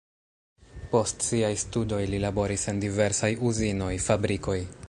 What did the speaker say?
Post siaj studoj li laboris en diversaj uzinoj, fabrikoj.